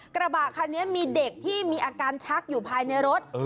กระบะคันนี้มีเด็กที่มีอาการชักอยู่ภายในรถ